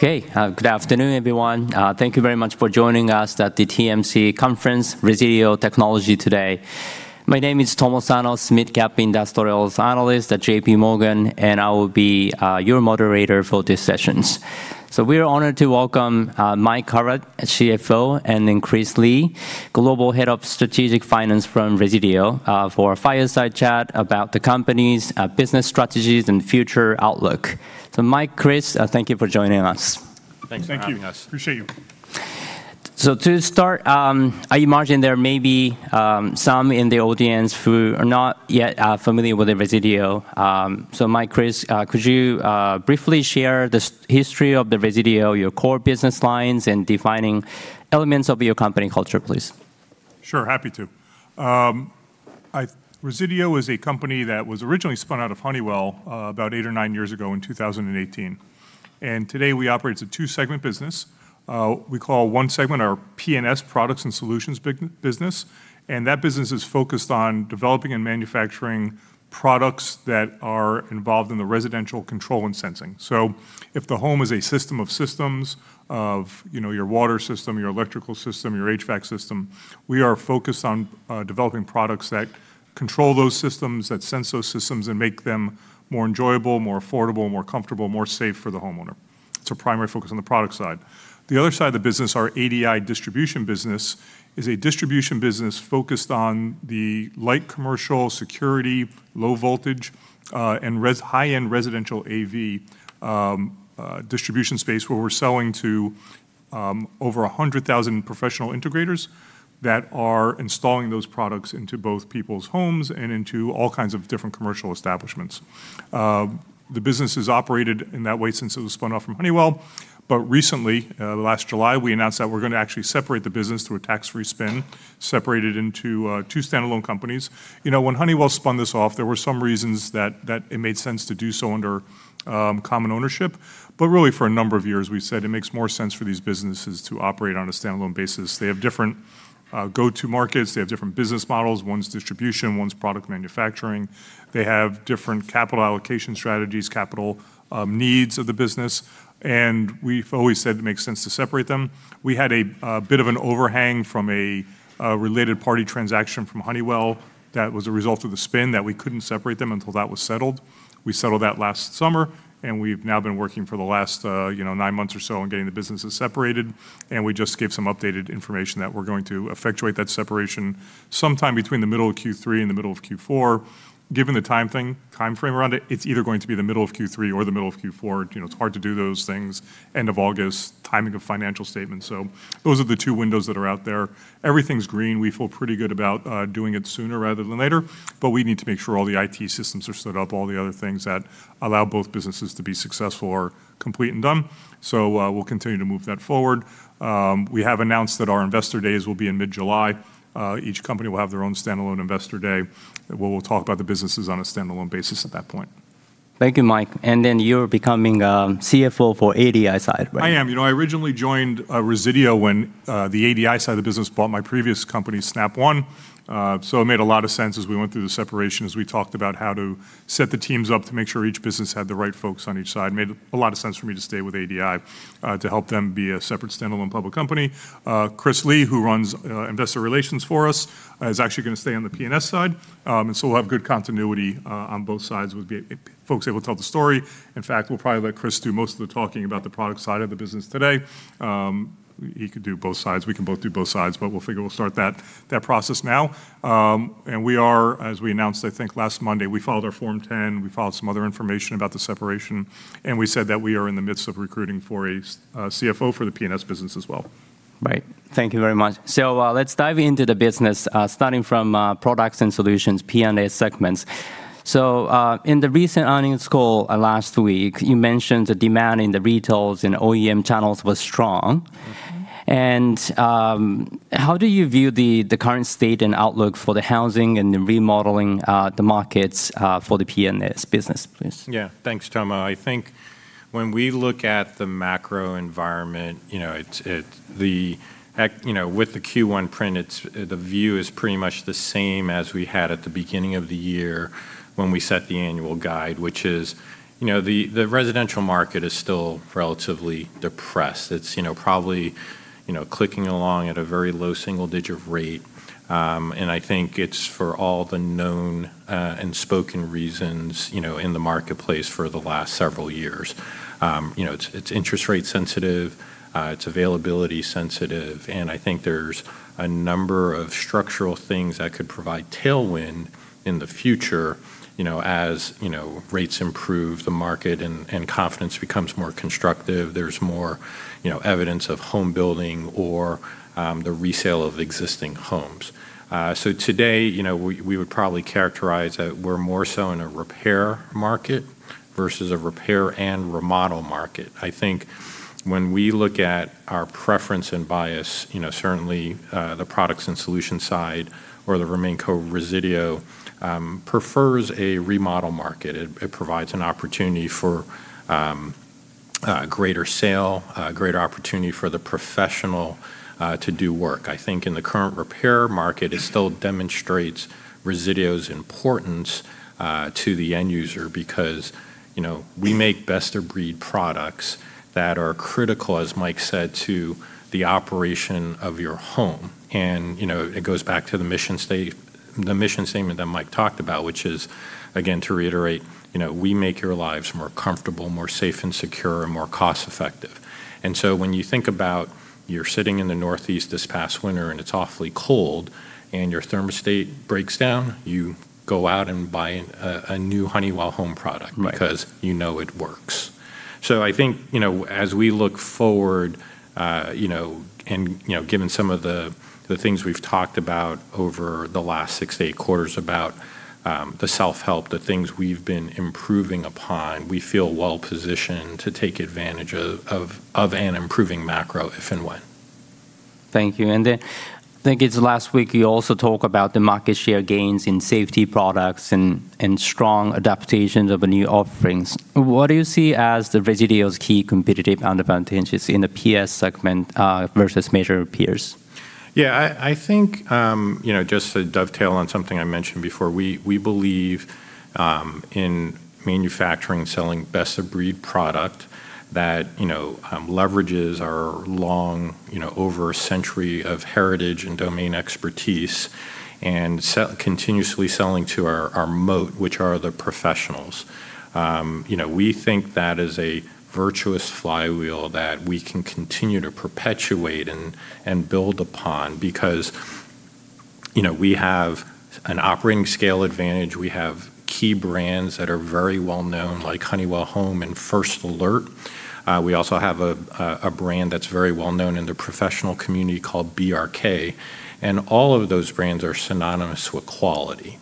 Good afternoon, everyone. Thank you very much for joining us at the TMC Conference, Resideo Technologies today. My name is Tomohiko Sano, Mid-Cap Industrials Analyst at JPMorgan, and I will be your moderator for these sessions. We're honored to welcome Mike Carlet, CFO, and Chris Lee, Global Head of Strategic Finance from Resideo, for a fireside chat about the company's business strategies and future outlook. Mike, Chris, thank you for joining us. Thanks for having us. Thank you. Appreciate you. To start, I imagine there may be some in the audience who are not yet familiar with the Resideo. Mike, Chris, could you briefly share the history of the Resideo, your core business lines, and defining elements of your company culture, please? Sure, happy to. Resideo is a company that was originally spun out of Honeywell about eight or nine years ago in 2018, and today we operate as a two-segment business. We call one segment our P&S, Products and Solutions business, and that business is focused on developing and manufacturing products that are involved in the residential control and sensing. If the home is a system of systems, of, you know, your water system, your electrical system, your HVAC system. We are focused on developing products that control those systems, that sense those systems, and make them more enjoyable, more affordable, more comfortable, more safe for the homeowner. It's our primary focus on the product side. The other side of the business, our ADI distribution business, is a distribution business focused on the light commercial security, low voltage, and high-end residential AV distribution space, where we're selling to over 100,000 professional integrators that are installing those products into both people's homes and into all kinds of different commercial establishments. The business has operated in that way since it was spun off from Honeywell, but recently, last July, we announced that we're going to actually separate the business through a tax-free spin-off, separate it into two standalone companies. You know, when Honeywell spun this off, there were some reasons that it made sense to do so under common ownership. Really, for a number of years, we've said it makes more sense for these businesses to operate on a standalone basis. They have different go-to markets. They have different business models. One's distribution, one's product manufacturing. They have different capital allocation strategies, capital needs of the business. We've always said it makes sense to separate them. We had a bit of an overhang from a related party transaction from Honeywell that was a result of the spin that we couldn't separate them until that was settled. We settled that last summer. We've now been working for the last, you know, nine months or so on getting the businesses separated. We just gave some updated information that we're going to effectuate that separation sometime between the middle of Q3 and the middle of Q4. Given the time frame around it's either going to be the middle of Q3 or the middle of Q4. You know, it's hard to do those things, end of August, timing of financial statements. Those are the two windows that are out there. Everything's green. We feel pretty good about doing it sooner rather than later, but we need to make sure all the IT systems are set up, all the other things that allow both businesses to be successful are complete and done. We'll continue to move that forward. We have announced that our investor days will be in mid-July. Each company will have their own standalone investor day, where we'll talk about the businesses on a standalone basis at that point. Thank you, Mike. Then you're becoming CFO for ADI side, right? I am. You know, I originally joined Resideo when the ADI side of the business bought my previous company, Snap One. It made a lot of sense as we went through the separation, as we talked about how to set the teams up to make sure each business had the right folks on each side. Made a lot of sense for me to stay with ADI to help them be a separate standalone public company. Chris Lee, who runs Investor Relations for us, is actually gonna stay on the P&S side. We'll have good continuity on both sides. We'll be folks able to tell the story. In fact, we'll probably let Chris do most of the talking about the product side of the business today. He could do both sides. We can both do both sides, but we figure we'll start that process now. We are, as we announced, I think, last Monday, we filed our Form 10. We filed some other information about the separation, and we said that we are in the midst of recruiting for a CFO for the P&S business as well. Right. Thank you very much. Let's dive into the business, starting from Products and Solutions, P&S segments. In the recent earnings call, last week, you mentioned the demand in the retail and OEM channels was strong. How do you view the current state and outlook for the housing and the remodeling markets for the P&S business, please? Yeah. Thanks, Tomo. I think when we look at the macro environment, it's, with the Q1 print, the view is pretty much the same as we had at the beginning of the year when we set the annual guide, which is, the residential market is still relatively depressed. It's probably clicking along at a very low-single digit rate. I think it's for all the known and spoken reasons in the marketplace for the last several years. It's interest rate sensitive, it's availability sensitive, and I think there's a number of structural things that could provide tailwind in the future, as rates improve the market and confidence becomes more constructive. There's more, you know, evidence of home building or the resale of existing homes. Today, you know, we would probably characterize that we're more so in a repair market versus a repair and remodel market. I think when we look at our preference and bias, you know, certainly, the products and solutions side or the RemainCo Resideo prefers a remodel market. It, it provides an opportunity for greater sale, greater opportunity for the professional to do work. I think in the current repair market, it still demonstrates Resideo's importance to the end user because, you know, we make best-of-breed products that are critical, as Mike said, to the operation of your home. You know, it goes back to the mission statement that Mike talked about, which is, again, to reiterate, you know, we make your lives more comfortable, more safe and secure, and more cost-effective. When you think about you're sitting in the Northeast this past winter, and it's awfully cold, and your thermostat breaks down, you go out and buy a new Honeywell Home product. Right. Because you know it works. I think, you know, as we look forward, you know, and, you know, given some of the things we've talked about over the last six to eight quarters about the self-help, the things we've been improving upon, we feel well-positioned to take advantage of an improving macro if and when. Thank you. I think it's last week you also talk about the market share gains in safety products and strong adaptations of the new offerings. What do you see as the Resideo's key competitive advantages in the P&S segment, versus major peers? I think, you know, just to dovetail on something I mentioned before, we believe in manufacturing and selling best-of-breed product that, you know, leverages our long, you know, over a century of heritage and domain expertise, and continuously selling to our moat, which are the professionals. You know, we think that is a virtuous flywheel that we can continue to perpetuate and build upon because, you know, we have an operating scale advantage. We have key brands that are very well known, like Honeywell Home and First Alert. We also have a brand that's very well known in the professional community called BRK, and all of those brands are synonymous with quality.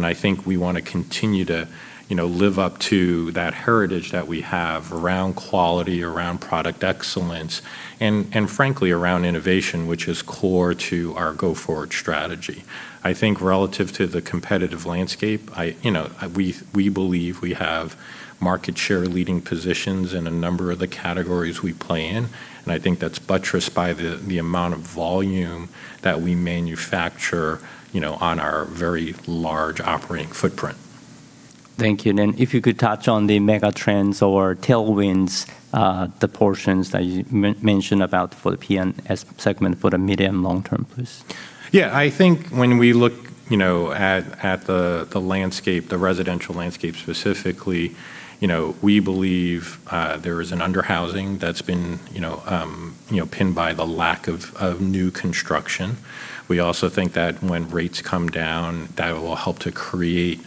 I think we wanna continue to, you know, live up to that heritage that we have around quality, around product excellence, and frankly, around innovation, which is core to our go-forward strategy. I think relative to the competitive landscape, I, you know, we believe we have market share leading positions in a number of the categories we play in, and I think that's buttressed by the amount of volume that we manufacture, you know, on our very large operating footprint. Thank you. Then if you could touch on the mega trends or tailwinds, the portions that you mention about for the P&S segment for the medium long term, please? Yeah. I think when we look, you know, at the landscape, the residential landscape specifically, you know, we believe there is an under-housing that's been, you know, pinned by the lack of new construction. We also think that when rates come down, that will help to create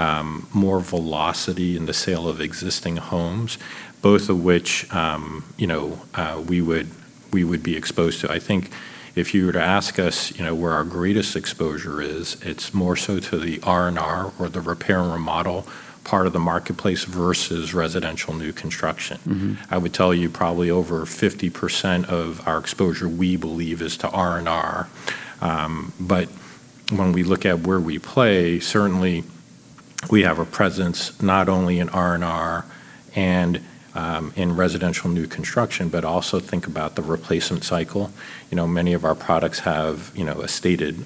more velocity in the sale of existing homes, both of which, you know, we would be exposed to. I think if you were to ask us, you know, where our greatest exposure is, it's more so to the R&R or the Repair and Remodel part of the marketplace versus residential new construction. I would tell you probably over 50% of our exposure, we believe, is to R&R. When we look at where we play, certainly we have a presence not only in R&R and in residential new construction, but also think about the replacement cycle. You know, many of our products have, you know, a stated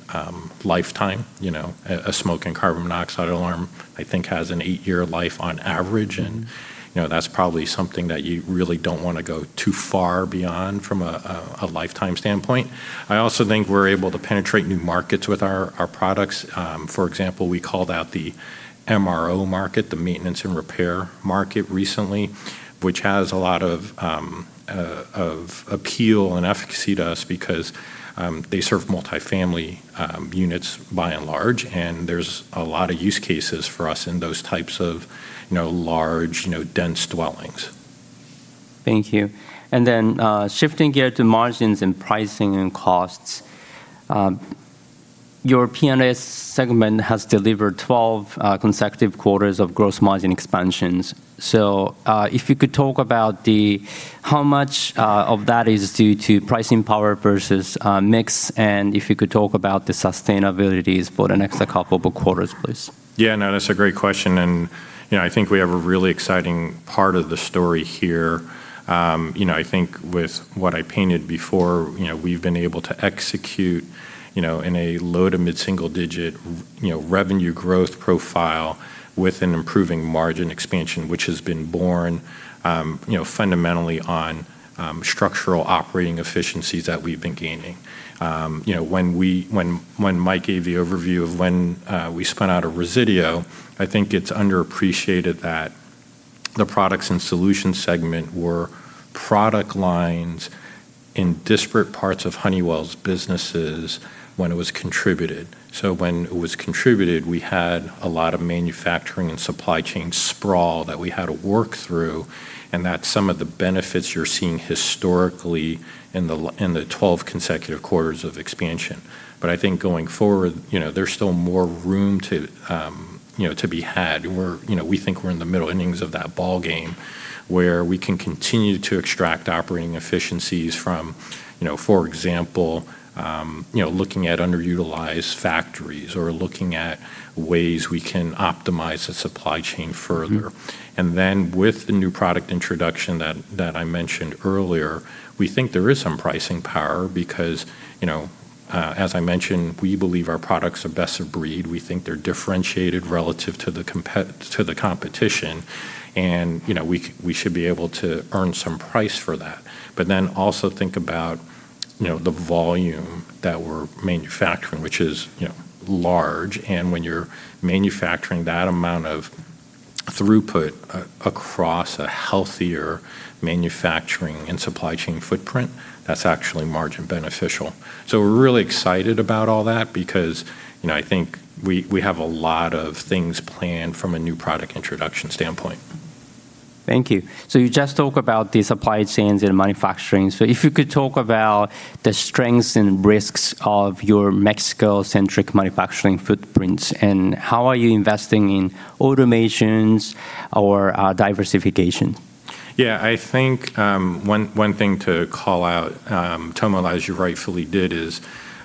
lifetime. You know, a smoke and carbon monoxide alarm, I think, has an eight-year life on average. You know, that's probably something that you really don't wanna go too far beyond from a, a lifetime standpoint. I also think we're able to penetrate new markets with our products. For example, we called out the MRO market, the Maintenance and Repair market recently, which has a lot of appeal and efficacy to us because they serve multi-family units by and large, and there's a lot of use cases for us in those types of, you know, large, you know, dense dwellings. Thank you. Then, shifting gear to margins and pricing and costs. Your P&S segment has delivered 12 consecutive quarters of gross margin expansions. If you could talk about the how much of that is due to pricing power versus mix, and if you could talk about the sustainabilities for the next couple of quarters, please? Yeah, no, that's a great question. You know, I think we have a really exciting part of the story here. You know, I think with what I painted before, you know, we've been able to execute, you know, in a low- to mid-single digit, you know, revenue growth profile with an improving margin expansion, which has been borne, you know, fundamentally on structural operating efficiencies that we've been gaining. You know, when we, when Mike gave the overview of when we spun out of Resideo, I think it's underappreciated that the products and solutions segment were product lines in disparate parts of Honeywell's businesses when it was contributed. When it was contributed, we had a lot of manufacturing and supply chain sprawl that we had to work through, and that's some of the benefits you're seeing historically in the 12 consecutive quarters of expansion. I think going forward, you know, there's still more room to, you know, to be had. We're, you know, we think we're in the middle innings of that ballgame, where we can continue to extract operating efficiencies from, you know, for example, you know, looking at underutilized factories or looking at ways we can optimize the supply chain further. With the new product introduction that I mentioned earlier, we think there is some pricing power because, you know, as I mentioned, we believe our products are best of breed. We think they're differentiated relative to the competition, you know, we should be able to earn some price for that. Also think about, you know, the volume that we're manufacturing, which is, you know, large. When you're manufacturing that amount of throughput across a healthier manufacturing and supply chain footprint, that's actually margin beneficial. We're really excited about all that because, you know, I think we have a lot of things planned from a new product introduction standpoint. Thank you. You just talk about the supply chains and manufacturing. If you could talk about the strengths and risks of your Mexico-centric manufacturing footprints, and how are you investing in automations or diversification? I think one thing to call out, Tomo, as you rightfully did, is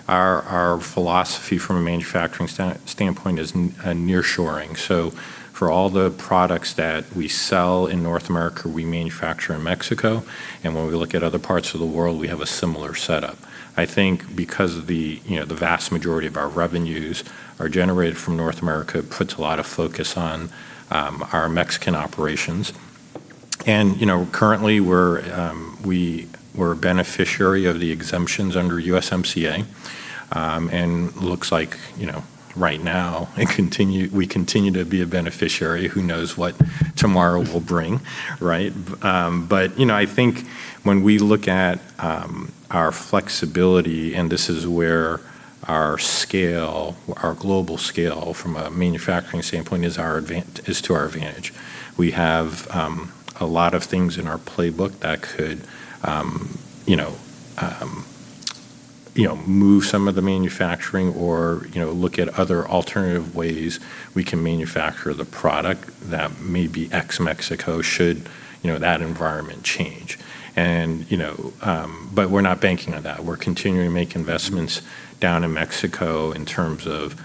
our philosophy from a manufacturing standpoint is nearshoring. For all the products that we sell in North America, we manufacture in Mexico. When we look at other parts of the world, we have a similar setup. I think because of the, you know, the vast majority of our revenues are generated from North America, puts a lot of focus on our Mexican operations. You know, currently we're a beneficiary of the exemptions under USMCA. Looks like, you know, right now we continue to be a beneficiary. Who knows what tomorrow will bring, right? You know, I think when we look at our flexibility, and this is where our scale, our global scale from a manufacturing standpoint is to our advantage. We have a lot of things in our playbook that could, you know, you know, move some of the manufacturing or, you know, look at other alternative ways we can manufacture the product that may be if Mexico should, you know, that environment change. You know, we're not banking on that. We're continuing to make investments down in Mexico in terms of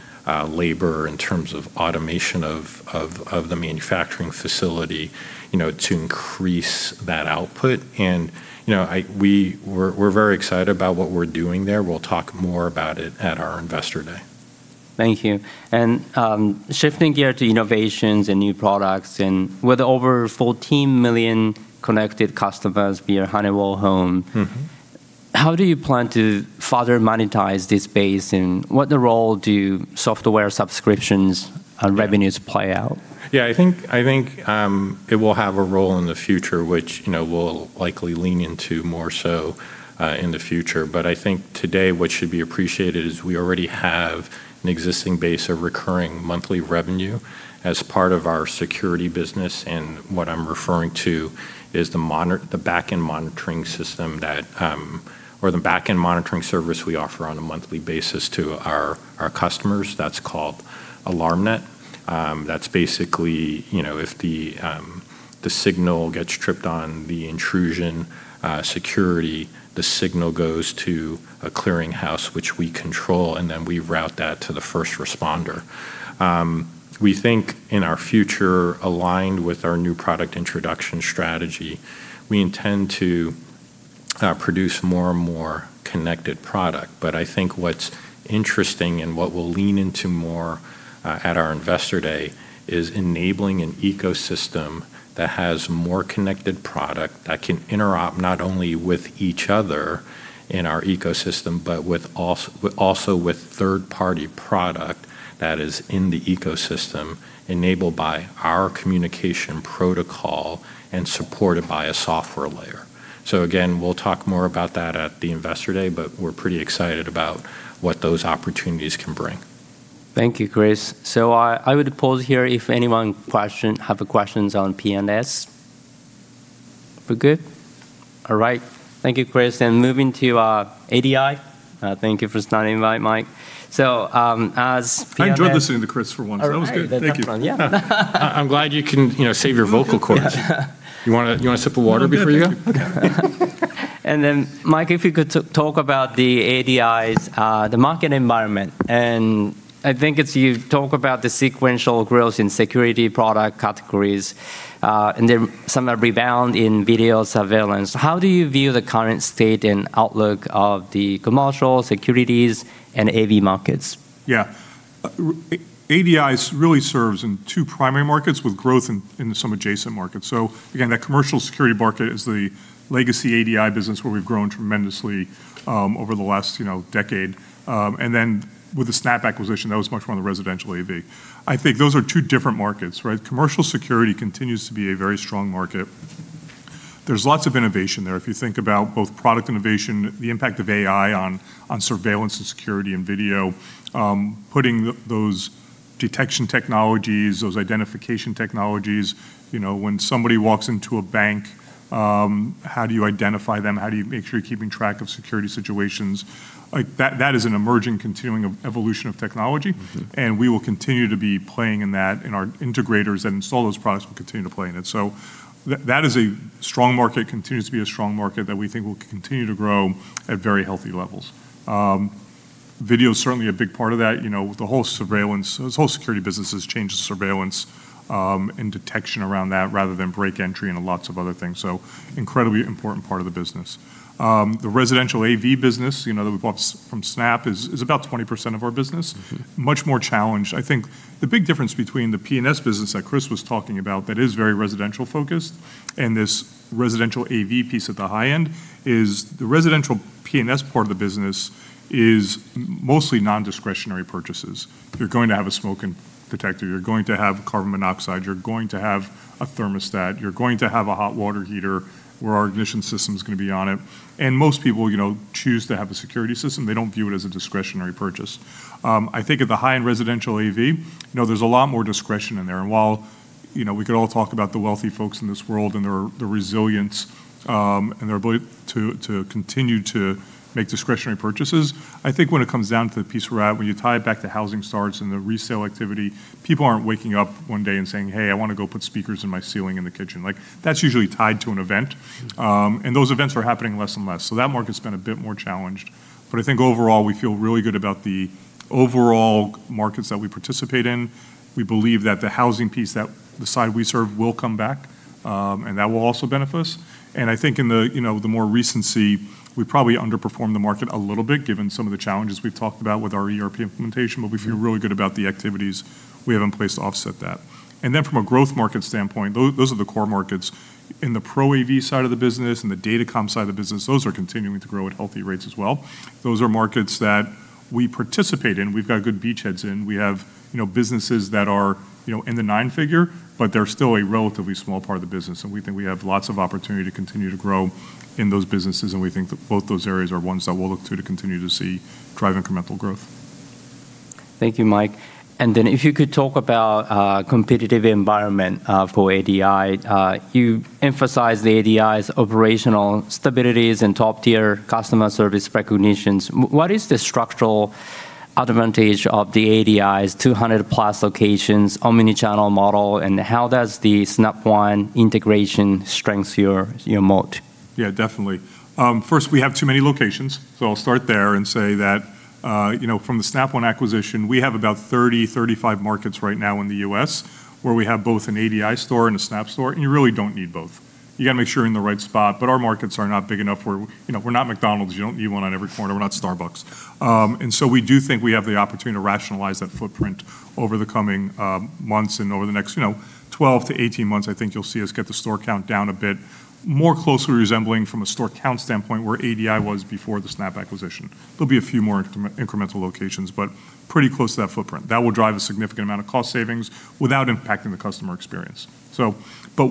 labor, in terms of automation of the manufacturing facility, you know, to increase that output. You know, I, we're very excited about what we're doing there. We'll talk more about it at our Investor Day. Thank you. Shifting gear to innovations and new products, and with over 14 million connected customers via Honeywell Home. How do you plan to further monetize this base, and what role do software subscriptions and revenues play out? Yeah, I think, it will have a role in the future, which, you know, we'll likely lean into more so in the future. I think today what should be appreciated is we already have an existing base of recurring monthly revenue as part of our security business, and what I'm referring to is the backend monitoring system that, or the backend monitoring service we offer on a monthly basis to our customers. That's called AlarmNet. That's basically, you know, if the signal gets tripped on the intrusion security, the signal goes to a clearing house which we control, and then we route that to the first responder. We think in our future, aligned with our new product introduction strategy, we intend to produce more and more connected product. I think what's interesting and what we'll lean into more at our investor day is enabling an ecosystem that has more connected product that can interop not only with each other in our ecosystem, but also with third-party product that is in the ecosystem enabled by our communication protocol and supported by a software layer. Again, we'll talk more about that at the investor day, but we're pretty excited about what those opportunities can bring. Thank you, Chris. I would pause here if anyone have questions on P&S. We're good? All right. Thank you, Chris. Moving to ADI. Thank you for starting, Mike. I enjoyed listening to Chris for once. That was good. All right. Thank you. That's one, yeah. I'm glad you can, you know, save your vocal cords. Yeah. You want a sip of water before you go? No, I'm good. Thank you. Okay. Then Mike, if you could talk about the ADI's market environment, and I think it's, you talk about the sequential growth in security product categories, and then some have rebound in video surveillance. How do you view the current state and outlook of the commercial securities and AV markets? Yeah. ADI really serves in two primary markets with growth in some adjacent markets. Again, that commercial security market is the legacy ADI business where we've grown tremendously, over the last, you know, decade. With the Snap acquisition, that was much more the residential AV. I think those are two different markets, right? Commercial security continues to be a very strong market. There's lots of innovation there. If you think about both product innovation, the impact of AI on surveillance and security and video, putting those detection technologies, those identification technologies. You know, when somebody walks into a bank, how do you identify them? How do you make sure you're keeping track of security situations? Like, that is an emerging, continuing evolution of technology. We will continue to be playing in that, and our integrators that install those products will continue to play in it. That is a strong market, continues to be a strong market that we think will continue to grow at very healthy levels. Video's certainly a big part of that. You know, the whole surveillance, this whole security business has changed to surveillance. And detection around that rather than break entry into lots of other things. Incredibly important part of the business. The residential AV business, you know, that we bought from Snap One is about 20% of our business. Much more challenged. I think the big difference between the P&S business that Chris was talking about that is very residential-focused and this residential AV piece at the high end is the residential P&S part of the business is mostly non-discretionary purchases. You're going to have a smoke detector. You're going to have carbon monoxide. You're going to have a thermostat. You're going to have a hot water heater where our ignition system's gonna be on it, and most people, you know, choose to have a security system. They don't view it as a discretionary purchase. I think at the high-end residential AV, there's a lot more discretion in there, while we could all talk about the wealthy folks in this world and their resilience, and their ability to continue to make discretionary purchases, I think when it comes down to the piece we're at, when you tie it back to housing starts and the resale activity, people aren't waking up one day and saying, hey, I wanna go put speakers in my ceiling in the kitchen. That's usually tied to an event. Those events are happening less and less. That market's been a bit more challenged, but I think overall we feel really good about the overall markets that we participate in. We believe that the housing piece that the side we serve will come back, and that will also benefit us. I think in the, you know, the more recency, we probably underperformed the market a little bit given some of the challenges we've talked about with our ERP implementation. We feel really good about the activities we have in place to offset that. From a growth market standpoint, those are the core markets. In the Pro AV side of the business and the Datacom side of the business, those are continuing to grow at healthy rates as well. Those are markets that we participate in. We've got good beachheads in. We have, you know, businesses that are, you know, in the nine figures, but they're still a relatively small part of the business, and we think we have lots of opportunity to continue to grow in those businesses, and we think that both those areas are ones that we'll look to continue to see drive incremental growth. Thank you, Mike. If you could talk about competitive environment for ADI. You emphasized ADI's operational stabilities and top-tier customer service recognitions. What is the structural advantage of the ADI's 200+ locations, omnichannel model, and how does the Snap One integration strengthens your moat? Yeah, definitely. First, we have too many locations, so I'll start there and say that from the Snap One acquisition, we have about 30, 35 markets right now in the U.S. where we have both an ADI store and a Snap store, and you really don't need both. You got to make sure you're in the right spot, but our markets are not big enough where we're not McDonald's. You don't need one on every corner. We're not Starbucks. We do think we have the opportunity to rationalize that footprint over the coming months and over the next 12 months-18 months, I think you'll see us get the store count down a bit, more closely resembling from a store count standpoint where ADI was before the Snap acquisition. There'll be a few more incremental locations, but pretty close to that footprint. That will drive a significant amount of cost savings without impacting the customer experience.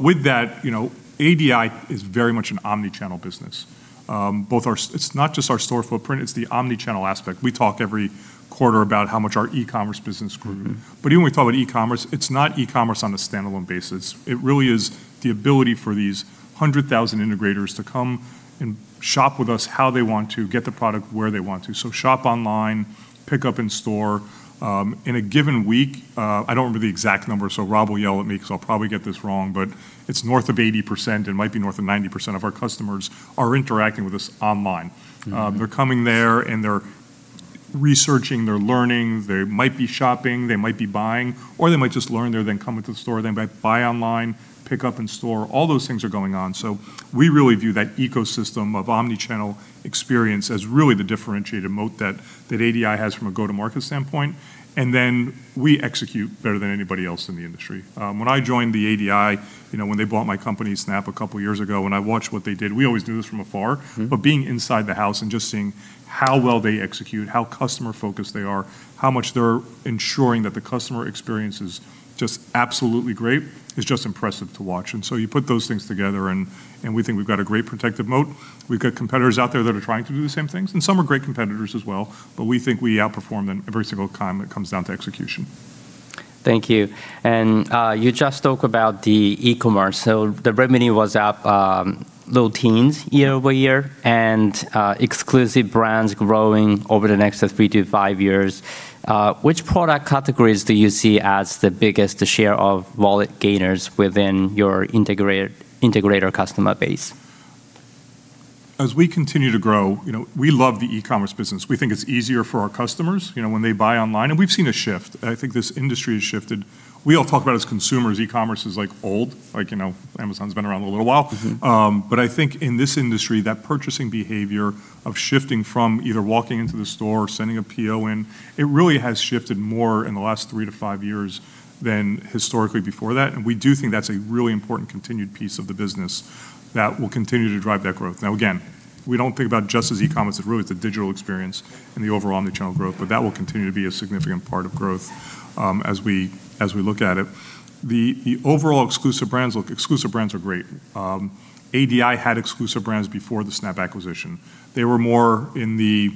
With that, you know, ADI is very much an omnichannel business. Both our it's not just our store footprint. It's the omnichannel aspect. We talk every quarter about how much our e-commerce business grew. Even when we talk about e-commerce, it's not e-commerce on a standalone basis. It really is the ability for these 100,000 integrators to come and shop with us how they want to, get the product where they want to. Shop online, pick up in store. In a given week, I don't remember the exact number, so Rob will yell at me because I'll probably get this wrong, but it's north of 80%, and might be north of 90% of our customers are interacting with us online. They're coming there, and they're researching. They're learning. They might be shopping. They might be buying, or they might just learn there, then come into the store then. Buy online, pick up in store, all those things are going on. We really view that ecosystem of omnichannel experience as really the differentiated moat that ADI has from a go-to-market standpoint, we execute better than anybody else in the industry. When I joined the ADI, you know, when they bought my company Snap a couple years ago, when I watched what they did, we always knew this from afar. Being inside the house and just seeing how well they execute, how customer-focused they are, how much they're ensuring that the customer experience is just absolutely great is just impressive to watch. You put those things together, and we think we've got a great protective moat. We've got competitors out there that are trying to do the same things, and some are great competitors as well, but we think we outperform them every single time it comes down to execution. Thank you. You just talk about the e-commerce. The revenue was up low teens year-over-year. Exclusive brands growing over the next three to five years. Which product categories do you see as the biggest share of wallet gainers within your integrator customer base? As we continue to grow, you know, we love the e-commerce business. We think it's easier for our customers, you know, when they buy online, and we've seen a shift. I think this industry has shifted. We all talk about as consumers e-commerce is, like, old, like, you know, Amazon's been around a little while. I think in this industry that purchasing behavior of shifting from either walking into the store or sending a PO in, it really has shifted more in the last three to five years than historically before that, and we do think that's a really important continued piece of the business that will continue to drive that growth. Now again, we don't think about just as e-commerce. It really is the digital experience and the overall omnichannel growth, but that will continue to be a significant part of growth as we look at it. The overall exclusive brands look, exclusive brands are great. ADI had exclusive brands before the Snap acquisition. They were more in the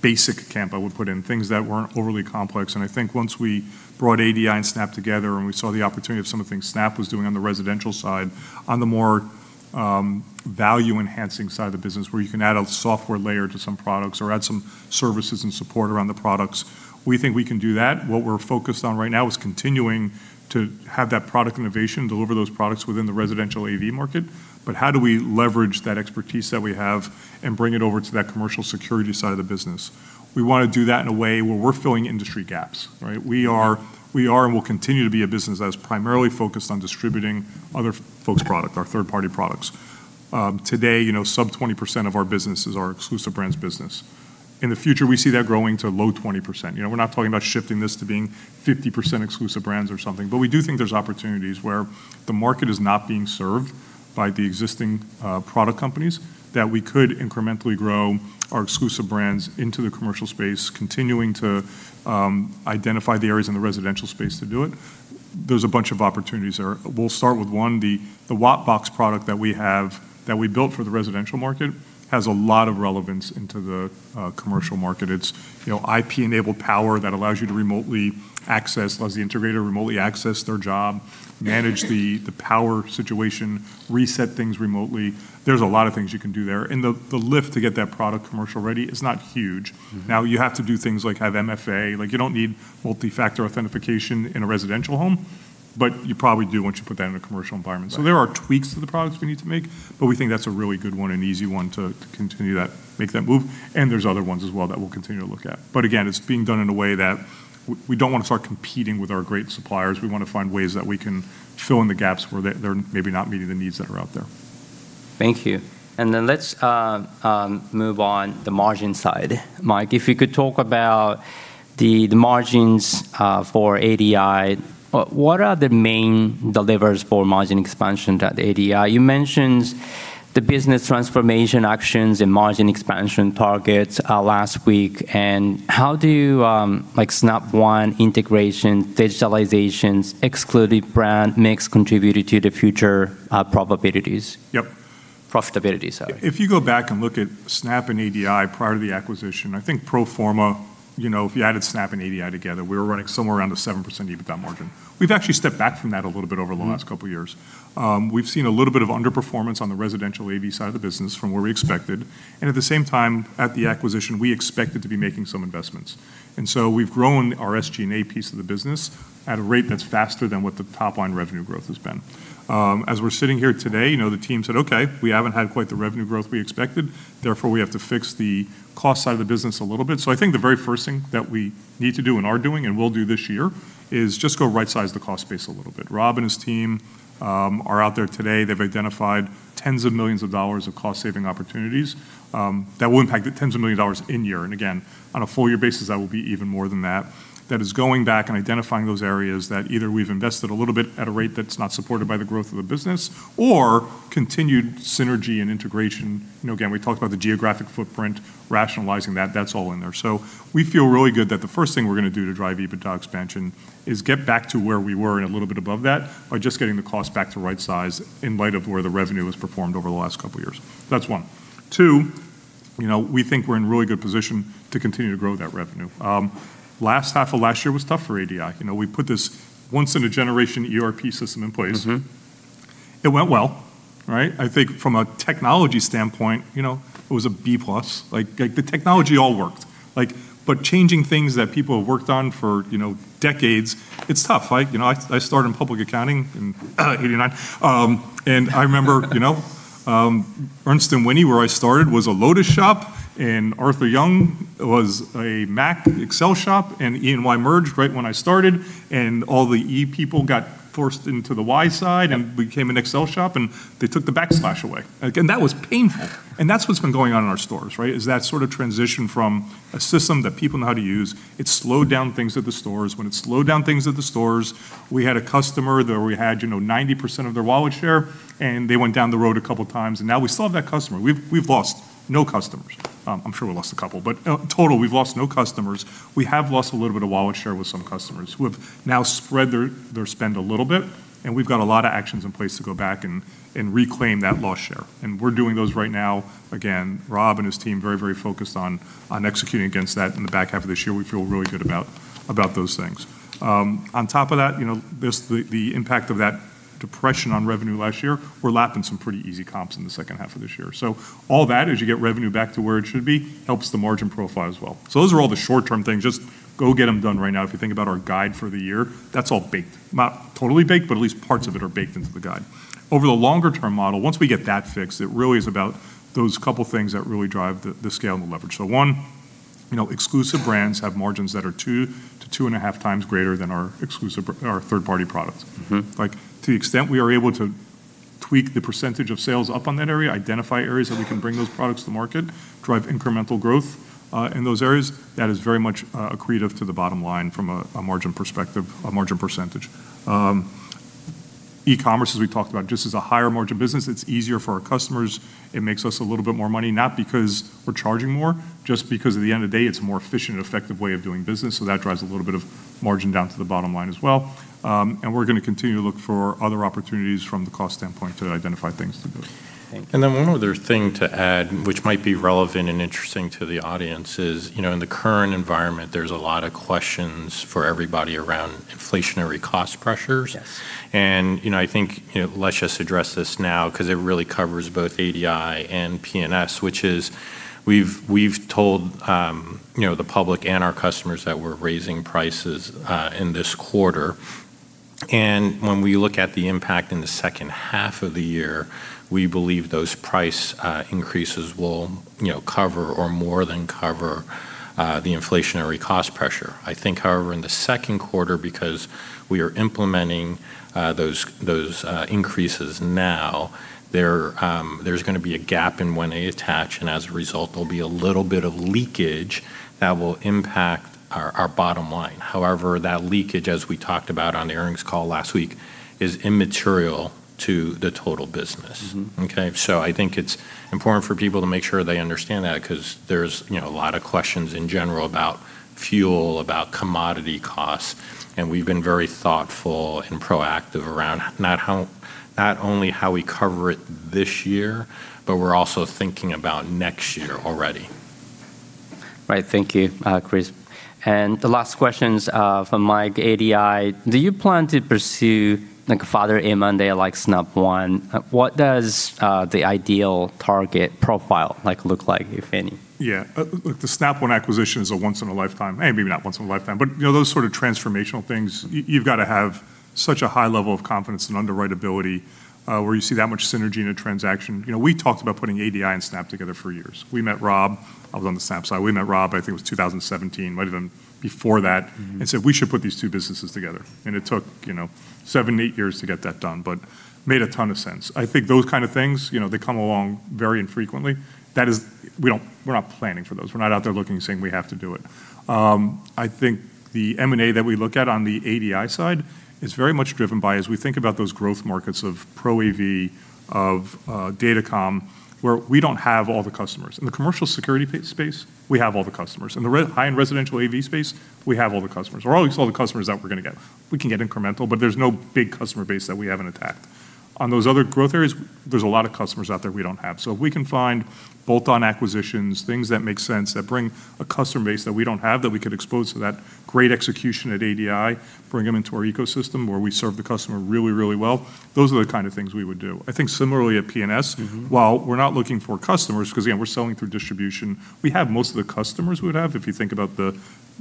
basic camp I would put in, things that weren't overly complex. I think once we brought ADI and Snap together and we saw the opportunity of some of the things Snap was doing on the residential side, on the more value-enhancing side of the business where you can add a software layer to some products or add some services and support around the products, we think we can do that. What we're focused on right now is continuing to have that product innovation deliver those products within the residential AV market, but how do we leverage that expertise that we have and bring it over to that commercial security side of the business? We wanna do that in a way where we're filling industry gaps, right? We are and will continue to be a business that is primarily focused on distributing other folks' product, our third-party products. Today, you know, sub 20% of our business is our exclusive brands business. In the future, we see that growing to low 20%. You know, we're not talking about shifting this to being 50% exclusive brands or something, but we do think there's opportunities where the market is not being served by the existing product companies, that we could incrementally grow our exclusive brands into the commercial space, continuing to identify the areas in the residential space to do it. There's a bunch of opportunities there. We'll start with one, the WattBox product that we have, that we built for the residential market, has a lot of relevance into the commercial market. It's, you know, IP-enabled power that allows you to remotely access, allows the integrator to remotely access their job, manage the power situation, reset things remotely. There's a lot of things you can do there. The, the lift to get that product commercial ready is not huge. Now, you have to do things like have MFA. Like, you don't need Multi-Factor Authentication in a residential home, but you probably do once you put that in a commercial environment. There are tweaks to the products we need to make, but we think that's a really good one, an easy one to continue that, make that move, and there's other ones as well that we'll continue to look at. Again, it's being done in a way that we don't wanna start competing with our great suppliers. We wanna find ways that we can fill in the gaps where they're maybe not meeting the needs that are out there. Thank you. Then let's move on the margin side. Mike, if you could talk about the margins for ADI. What are the main delivers for margin expansion at ADI? You mentioned the business transformation actions and margin expansion targets last week, and how do you like Snap One integration, digitalizations, exclusive brands mix contributed to the future probabilities? Yep. Profitability, sorry. If you go back and look at Snap and ADI prior to the acquisition, I think pro forma, you know, if you added Snap and ADI together, we were running somewhere around a 7% EBITDA margin. We've actually stepped back from that a little bit over the last couple years. We've seen a little bit of underperformance on the residential AV side of the business from where we expected, and at the same time, at the acquisition, we expected to be making some investments. We've grown our SG&A piece of the business at a rate that's faster than what the top line revenue growth has been. As we're sitting here today, you know, the team said, okay, we haven't had quite the revenue growth we expected, therefore we have to fix the cost side of the business a little bit. I think the very first thing that we need to do, and are doing, and will do this year, is just go rightsize the cost base a little bit. Rob and his team are out there today. They've identified tens of millions of dollars of cost saving opportunities that will impact tens of millions of dollars in year. Again, on a full year basis, that will be even more than that. That is going back and identifying those areas that either we've invested a little bit at a rate that's not supported by the growth of the business, or continued synergy and integration. You know, again, we talked about the geographic footprint, rationalizing that. That's all in there. We feel really good that the first thing we're going to do to drive EBITDA expansion is get back to where we were and a little bit above that by just getting the cost back to right size in light of where the revenue has performed over the last couple years. That's one. Two, you know, we think we're in really good position to continue to grow that revenue. Last half of last year was tough for ADI. You know, we put this once in a generation ERP system in place. It went well, right? I think from a technology standpoint, you know, it was a B+. Like, the technology all worked. Like, changing things that people have worked on for, you know, decades, it's tough. I, you know, I started in public accounting in 1989. I remember, you know, Ernst & Whinney, where I started, was a Lotus shop, Arthur Young was a Mac Excel shop, E&Y merged right when I started, all the E people got forced into the Y side and became an Excel shop, and they took the backslash away. Again, that was painful. That's what's been going on in our stores, right, is that sort of transition from a system that people know how to use. It slowed down things at the stores. When it slowed down things at the stores, we had a customer that we had, you know, 90% of their wallet share. They went down the road a couple times, now we still have that customer. We've lost no customers. I'm sure we lost a couple, in total, we've lost no customers. We have lost a little bit of wallet share with some customers who have now spread their spend a little bit. We've got a lot of actions in place to go back and reclaim that lost share. We're doing those right now. Again, Rob and his team very focused on executing against that in the back half of this year. We feel really good about those things. On top of that, you know, this, the impact of that depression on revenue last year, we're lapping some pretty easy comps in the second half of this year. All that, as you get revenue back to where it should be, helps the margin profile as well. Those are all the short-term things. Just go get them done right now. If you think about our guide for the year, that's all baked. Not totally baked, at least parts of it are baked into the guide. Over the longer term model, once we get that fixed, it really is about those couple things that really drive the scale and the leverage. One, you know, exclusive brands have margins that are 2x-2.5x greater than our exclusive, our third party products. Like, to the extent we are able to tweak the percentage of sales up on that area, identify areas that we can bring those products to market, drive incremental growth, in those areas, that is very much, accretive to the bottom line from a margin perspective, a margin percentage. E-commerce, as we talked about, just is a higher margin business. It's easier for our customers. It makes us a little bit more money, not because we're charging more, just because at the end of the day, it's a more efficient and effective way of doing business, so that drives a little bit of margin down to the bottom line as well. We're gonna continue to look for other opportunities from the cost standpoint to identify things to do. Thank you. One other thing to add, which might be relevant and interesting to the audience is, you know, in the current environment, there's a lot of questions for everybody around inflationary cost pressures. Yes. You know, I think, you know, let's just address this now 'cause it really covers both ADI and P&S, which is we've told, you know, the public and our customers that we're raising prices in this quarter. When we look at the impact in the second half of the year, we believe those price increases will, you know, cover or more than cover the inflationary cost pressure. I think however, in the second quarter because we are implementing those increases now, there's gonna be a gap in when they attach, and as a result there'll be a little bit of leakage that will impact our bottom line. However, that leakage, as we talked about on the earnings call last week, is immaterial to the total business. Okay? I think it's important for people to make sure they understand that, because there's, you know, a lot of questions in general about fuel, about commodity costs, and we've been very thoughtful and proactive around not only how we cover it this year, but we're also thinking about next year already. Right. Thank you, Chris. The last question's from Mike, ADI. Do you plan to pursue like a further M&A like Snap One? What does the ideal target profile like look like, if any? Yeah. look, the Snap One acquisition is a once in a lifetime, maybe not once in a lifetime, but you know, those sort of transformational things you've got to have such a high level of confidence and underwritability, where you see that much synergy in a transaction. You know, we talked about putting ADI and Snap One together for years. We met Rob, I was on the Snap One side, we met Rob, I think it was 2017, might've been before that. Said, we should put these two businesses together. It took, you know, seven to eight years to get that done, but made a ton of sense. I think those kind of things, you know, they come along very infrequently. That is, we're not planning for those. We're not out there looking, saying, we have to do it. I think the M&A that we look at on the ADI side is very much driven by as we think about those growth markets of Pro AV, of datacom, where we don't have all the customers. In the commercial security space, we have all the customers. In the high-end residential AV space, we have all the customers, or at least all the customers that we're gonna get. We can get incremental, but there's no big customer base that we haven't attacked. On those other growth areas, there's a lot of customers out there we don't have. If we can find bolt-on acquisitions, things that make sense, that bring a customer base that we don't have that we could expose to that great execution at ADI, bring them into our ecosystem where we serve the customer really, really well, those are the kind of things we would do. I think similarly at P&S. While we're not looking for customers, because again, we're selling through distribution, we have most of the customers we'd have, if you think about the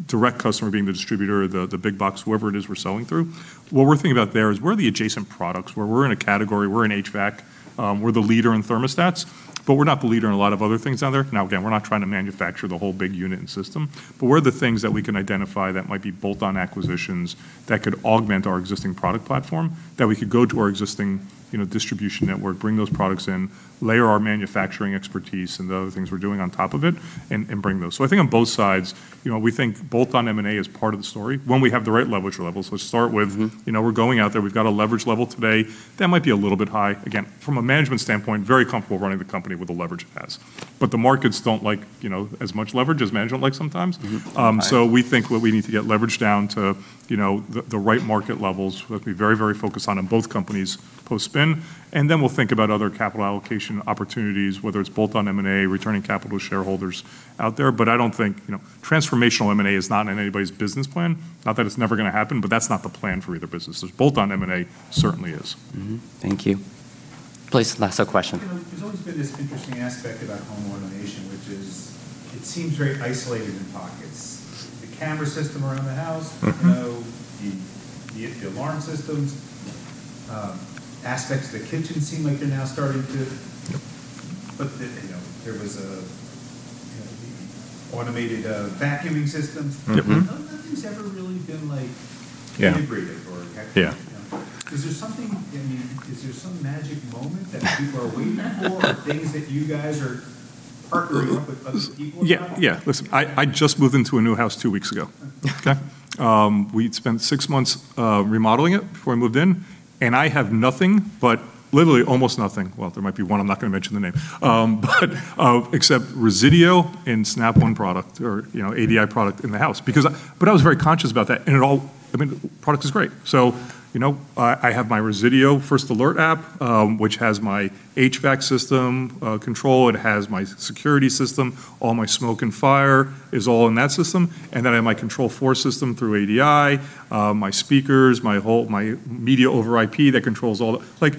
direct customer being the distributor, the big box, whoever it is we're selling through. What we're thinking about there is where are the adjacent products? Where we're in a category, we're in HVAC, we're the leader in thermostats, but we're not the leader in a lot of other things down there. Now, again, we're not trying to manufacture the whole big unit and system, but where are the things that we can identify that might be bolt-on acquisitions that could augment our existing product platform, that we could go to our existing, you know, distribution network, bring those products in, layer our manufacturing expertise and the other things we're doing on top of it, and bring those. I think on both sides, you know, we think bolt-on M&A is part of the story, when we have the right leverage levels. Let's start with. You know, we're going out there, we've got a leverage level today that might be a little bit high. Again, from a management standpoint, very comfortable running the company with the leverage it has. The markets don't like, you know, as much leverage as management likes sometimes. Right. We think what we need to get leverage down to, you know, the right market levels. We have to be very focused on both companies post-spin. We'll think about other capital allocation opportunities, whether it's bolt-on M&A, returning capital to shareholders out there. I don't think, you know, transformational M&A is not in anybody's business plan. Not that it's never gonna happen, that's not the plan for either business. There's bolt-on M&A, certainly is. Thank you. Please, last question. You know, there's always been this interesting aspect about home automation which is it seems very isolated in pockets. The camera system around the house. You know, the alarm systems. aspects of the kitchen seem like they're now. You know, there was, you know, the automated, vacuuming systems. None, nothing's ever really been like- Yeah. Integrated or connected? Is there something, I mean, is there some magic moment that people are waiting for? Or things that you guys are partnering up with other people about? Yeah. Listen, I just moved into a new house two weeks ago. Okay? We'd spent six months remodeling it before I moved in, and I have nothing but, literally almost nothing, well, there might be one, I'm not gonna mention the name. Except Resideo and Snap One product or, you know, ADI product in the house. I was very conscious about that, and it all, I mean, product is great. You know, I have my Resideo First Alert app, which has my HVAC system control. It has my security system, all my smoke and fire is all in that system. I have my Control4 system through ADI, my speakers, my whole, my media over IP that controls all the Like,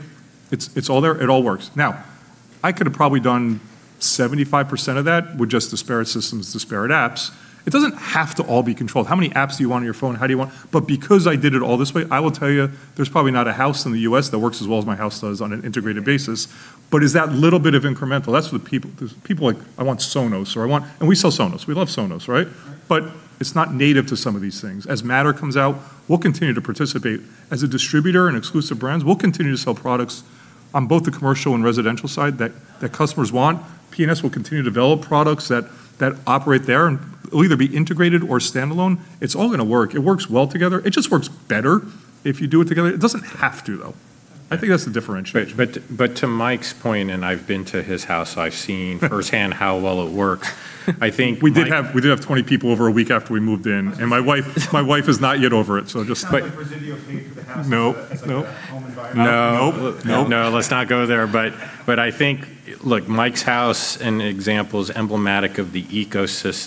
it's all there, it all works. Now, I could have probably done 75% of that with just disparate systems, disparate apps. It doesn't have to all be controlled. How many apps do you want on your phone? How do you want? Because I did it all this way, I will tell you there's probably not a house in the U.S. that works as well as my house does on an integrated basis. It's that little bit of incremental. That's what people Because people are like, I want Sonos, or, I want. We sell Sonos. We love Sonos, right It's not native to some of these things. As Matter comes out, we'll continue to participate. As a distributor in exclusive brands, we'll continue to sell products on both the commercial and residential side that customers want. P&S will continue to develop products that operate there and will either be integrated or standalone. It's all gonna work. It works well together. It just works better if you do it together. It doesn't have to though. I think that's the differentiation. Right. To Mike's point, I've been to his house, so I've seen firsthand how well it works. I think. We did have 20 people over a week after we moved in. My wife is not yet over it. You don't have the Resideo page of the house? Nope. Nope. Like a home environment? No. Nope. Nope. No, let's not go there. I think, look, Mike's house and example's emblematic of the ecosystem.